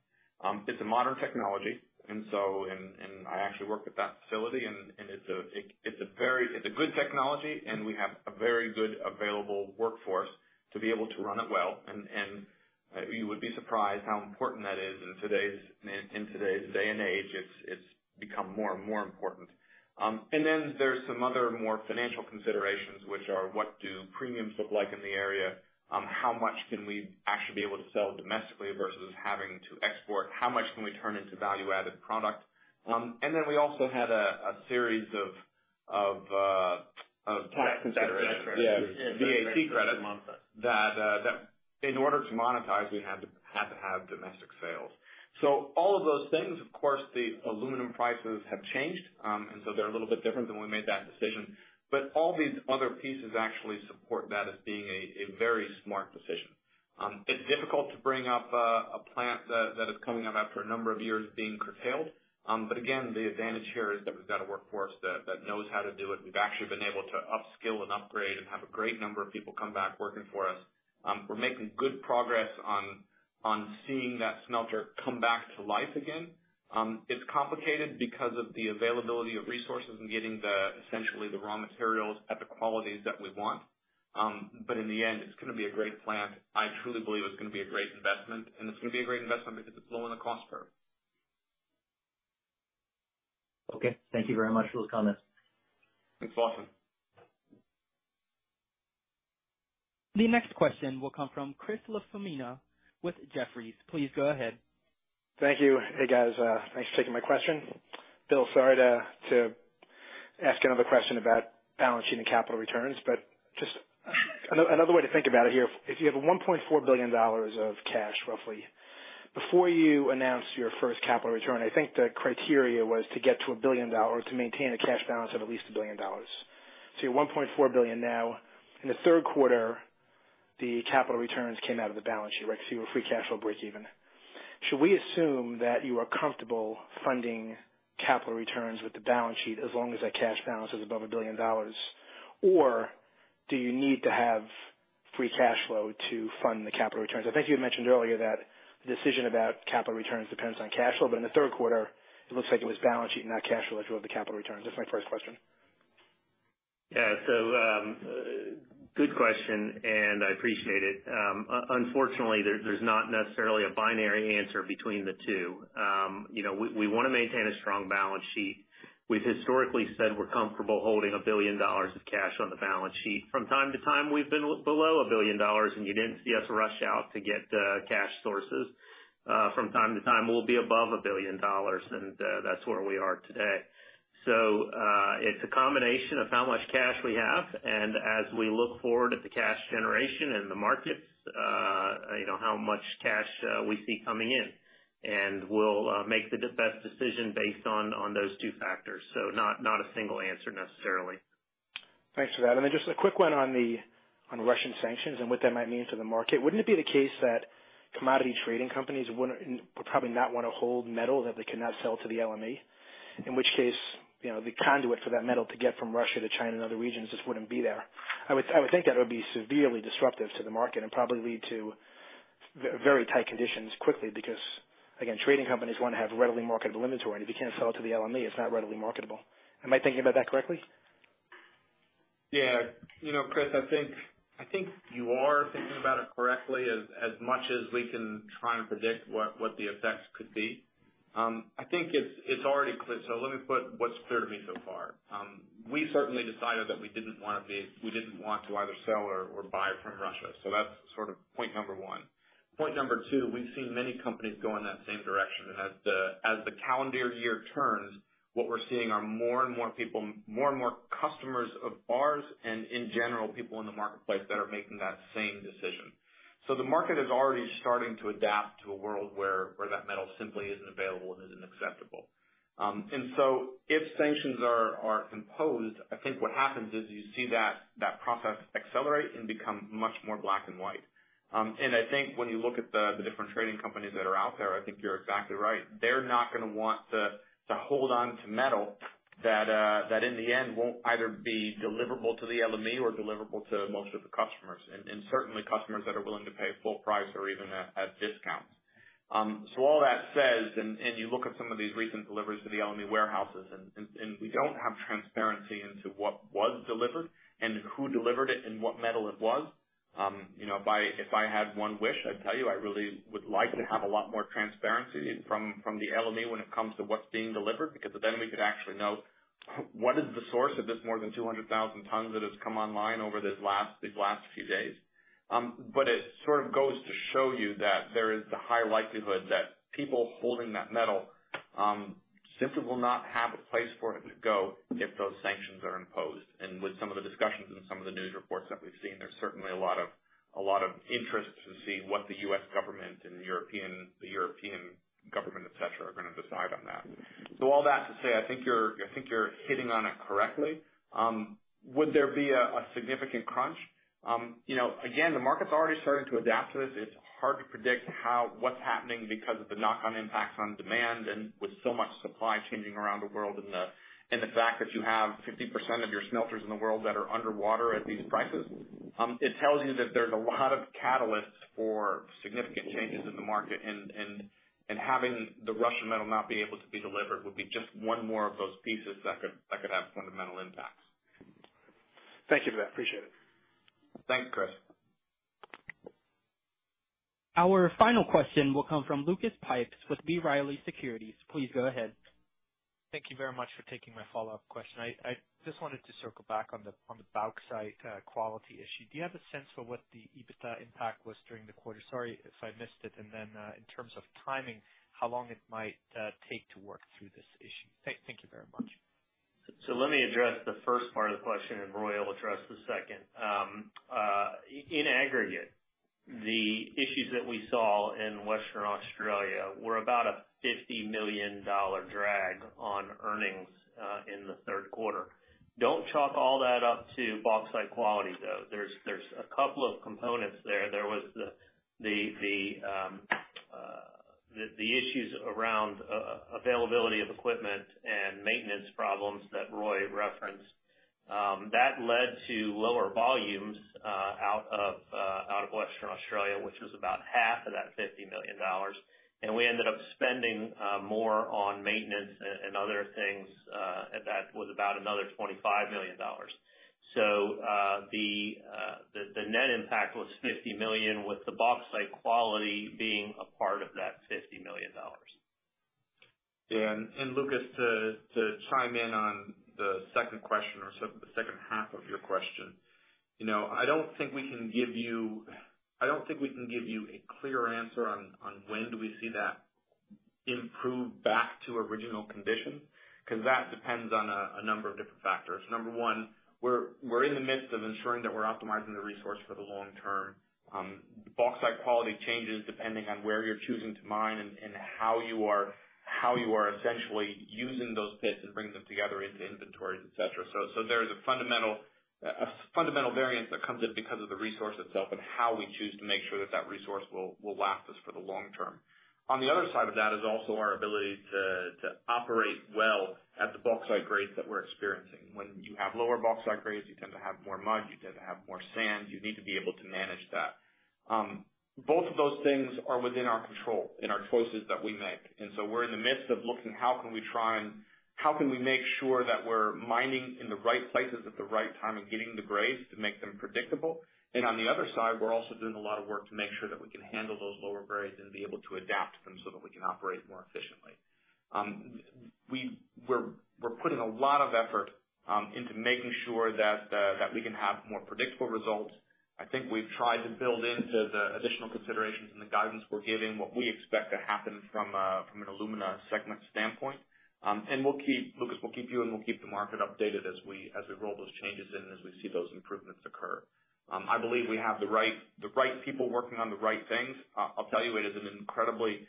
It's a modern technology. I actually work at that facility, and it's a very good technology, and we have a very good available workforce to be able to run it well. You would be surprised how important that is in today's day and age. It's become more and more important. Then there's some other more financial considerations, which are what do premiums look like in the area? How much can we actually be able to sell domestically versus having to export? How much can we turn into value-added product? We also had a series of tax considerations. Tax credits. Yeah. VAT credit. That in order to monetize, we had to have domestic sales. All of those things, of course, the aluminum prices have changed, and so they're a little bit different than when we made that decision. All these other pieces actually support that as being a very smart decision. It's difficult to bring up a plant that is coming up after a number of years being curtailed. Again, the advantage here is that we've got a workforce that knows how to do it. We've actually been able to upskill and upgrade and have a great number of people come back working for us. We're making good progress on seeing that smelter come back to life again. It's complicated because of the availability of resources and getting the, essentially, the raw materials at the qualities that we want. In the end, it's gonna be a great plant. I truly believe it's gonna be a great investment, and it's gonna be a great investment because it's low on the cost curve. Okay. Thank you very much for those comments. Thanks, Lawson. The next question will come from Chris LaFemina with Jefferies. Please go ahead. Thank you. Hey, guys. Thanks for taking my question. Bill, sorry to ask another question about balance sheet and capital returns, but just another way to think about it here. If you have $1.4 billion of cash roughly, before you announce your first capital return, I think the criteria was to get to $1 billion to maintain a cash balance of at least $1 billion. So you're $1.4 billion now. In the Q3, the capital returns came out of the balance sheet, right? So you were free cash flow breakeven. Should we assume that you are comfortable funding capital returns with the balance sheet as long as that cash balance is above $1 billion? Or do you need to have free cash flow to fund the capital returns? I think you had mentioned earlier that the decision about capital returns depends on cash flow, but in the Q3, it looks like it was balance sheet, not cash flow that drove the capital returns. That's my first question. Yeah. Good question, and I appreciate it. Unfortunately, there's not necessarily a binary answer between the two. You know, we wanna maintain a strong balance sheet. We've historically said we're comfortable holding $1 billion of cash on the balance sheet. From time to time, we've been below $1 billion, and you didn't see us rush out to get cash sources. From time to time, we'll be above $1 billion, and that's where we are today. It's a combination of how much cash we have, and as we look forward at the cash generation and the markets, you know, how much cash we see coming in. We'll make the best decision based on those two factors. Not a single answer necessarily. Thanks for that. Then just a quick one on Russian sanctions and what that might mean to the market. Wouldn't it be the case that commodity trading companies would probably not want to hold metal that they cannot sell to the LME? In which case, you know, the conduit for that metal to get from Russia to China and other regions just wouldn't be there. I would think that would be severely disruptive to the market and probably lead to Very tight conditions quickly because, again, trading companies want to have readily marketable inventory, and if you can't sell it to the LME, it's not readily marketable. Am I thinking about that correctly? Yeah. You know, Chris, I think you are thinking about it correctly. As much as we can try and predict what the effects could be, I think it's already clear. Let me put what's clear to me so far. We certainly decided that we didn't want to either sell or buy from Russia. That's sort of point number one. Point number two, we've seen many companies go in that same direction. As the calendar year turns, what we're seeing are more and more people, more and more customers of ours, and in general, people in the marketplace that are making that same decision. The market is already starting to adapt to a world where that metal simply isn't available and isn't acceptable. If sanctions are imposed, I think what happens is you see that process accelerate and become much more black and white. I think when you look at the different trading companies that are out there, I think you're exactly right. They're not gonna want to hold on to metal that in the end won't either be deliverable to the LME or deliverable to most of the customers, and certainly customers that are willing to pay full price or even at discounts. All that said, and you look at some of these recent deliveries to the LME warehouses, and we don't have transparency into what was delivered and who delivered it and what metal it was. You know, if I had one wish, I'd tell you I really would like to have a lot more transparency from the LME when it comes to what's being delivered, because then we could actually know what is the source of this more than 200,000 tons that has come online over these last few days. It sort of goes to show you that there is the high likelihood that people holding that metal simply will not have a place for it to go if those sanctions are imposed. With some of the discussions and some of the news reports that we've seen, there's certainly a lot of interest to see what the US government and the European government, et cetera, are gonna decide on that. All that to say, I think you're hitting on it correctly. Would there be a significant crunch? You know, again, the market's already starting to adapt to this. It's hard to predict what's happening because of the knock-on impacts on demand, and with so much supply changing around the world and the fact that you have 50% of your smelters in the world that are underwater at these prices, it tells you that there's a lot of catalysts for significant changes in the market. Having the Russian metal not be able to be delivered would be just one more of those pieces that could have fundamental impacts. Thank you for that. Appreciate it. Thanks, Chris. Our final question will come from Lucas Pipes with B. Riley Securities. Please go ahead. Thank you very much for taking my follow-up question. I just wanted to circle back on the bauxite quality issue. Do you have a sense for what the EBITDA impact was during the quarter? Sorry if I missed it. In terms of timing, how long it might take to work through this issue? Thank you very much. Let me address the first part of the question, and Roy will address the second. In aggregate, the issues that we saw in Western Australia were about a $50 million drag on earnings in the Q3. Don't chalk all that up to bauxite quality, though. There's a couple of components there. There was the issues around availability of equipment and maintenance problems that Roy referenced, that led to lower volumes out of Western Australia, which was about half of that $50 million. We ended up spending more on maintenance and other things. That was about another $25 million. The net impact was $50 million, with the bauxite quality being a part of that $50 million. Lucas, to chime in on the H2 of your question. You know, I don't think we can give you a clear answer on when do we see that improve back to original condition, 'cause that depends on a number of different factors. Number one, we're in the midst of ensuring that we're optimizing the resource for the long term. Bauxite quality changes depending on where you're choosing to mine and how you are essentially using those pits and bringing them together into inventories, et cetera. So there's a fundamental variance that comes in because of the resource itself and how we choose to make sure that that resource will last us for the long term. On the other side of that is also our ability to operate well at the bauxite grades that we're experiencing. When you have lower bauxite grades, you tend to have more mud, you tend to have more sand. You need to be able to manage that. Both of those things are within our control in our choices that we make. We're in the midst of looking, how can we make sure that we're mining in the right places at the right time and getting the grades to make them predictable? On the other side, we're also doing a lot of work to make sure that we can handle those lower grades and be able to adapt to them so that we can operate more efficiently. We're putting a lot of effort into making sure that we can have more predictable results. I think we've tried to build into the additional considerations and the guidance we're giving what we expect to happen from an alumina segment standpoint. We'll keep Lucas, we'll keep you and we'll keep the market updated as we roll those changes in and as we see those improvements occur. I believe we have the right people working on the right things. I'll tell you, it is an incredibly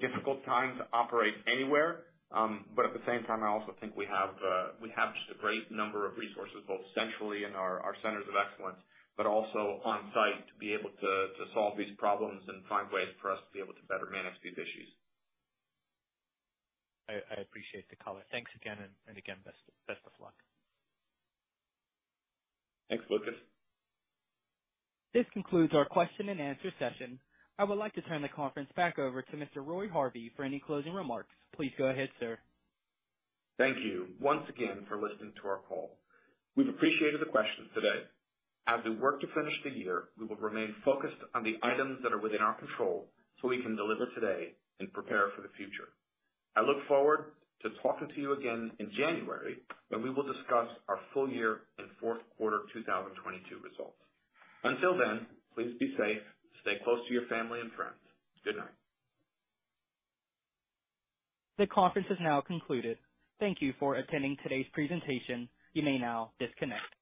difficult time to operate anywhere. At the same time, I also think we have just a great number of resources, both centrally in our centers of excellence, but also on site to be able to solve these problems and find ways for us to be able to better manage these issues. I appreciate the color. Thanks again and again, best of luck. Thanks, Lucas. This concludes our question and answer session. I would like to turn the conference back over to Mr. Roy Harvey for any closing remarks. Please go ahead, sir. Thank you once again for listening to our call. We've appreciated the questions today. As we work to finish the year, we will remain focused on the items that are within our control so we can deliver today and prepare for the future. I look forward to talking to you again in January when we will discuss our full year and Q4 2022 results. Until then, please be safe, stay close to your family and friends. Good night. The conference is now concluded. Thank you for attending today's presentation. You may now disconnect.